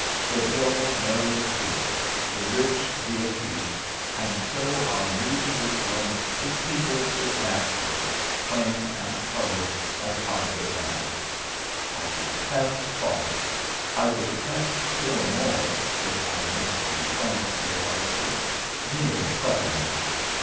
The dull marry the poor; the rich the effete; and so our New Jerusalem is peopled with naturals, plain and coloured, at either end. I detest folly; I detest still more (if I must be frank, dear Arthur) mere cleverness.